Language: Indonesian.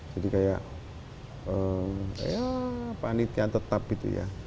jadi kayak panitian tetap gitu ya